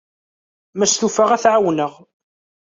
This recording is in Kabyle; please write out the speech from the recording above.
Ma stufaɣ, ad t-ɛawneɣ.